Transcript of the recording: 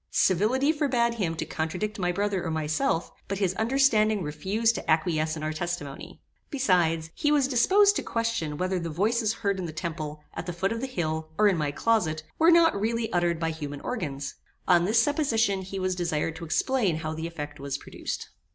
Civility forbad him to contradict my brother or myself, but his understanding refused to acquiesce in our testimony. Besides, he was disposed to question whether the voices heard in the temple, at the foot of the hill, and in my closet, were not really uttered by human organs. On this supposition he was desired to explain how the effect was produced.